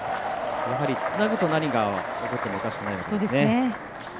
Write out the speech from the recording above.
つなぐと何が起こってもおかしくないですね。